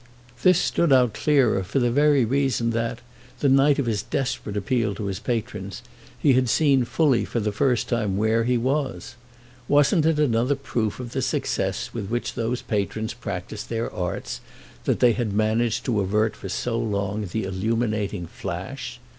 This stood out clearer for the very reason that, the night of his desperate appeal to his patrons, he had seen fully for the first time where he was. Wasn't it another proof of the success with which those patrons practised their arts that they had managed to avert for so long the illuminating flash?